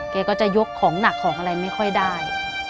แกก็จะยกของหนักของอะไรไม่ค่อยได้